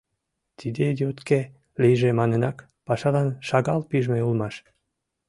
Тиде йотке лийже манынак пашалан шагал пижме улмаш.